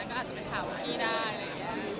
ก็อาจจะไปถามพี่ได้อะไรอย่างนี้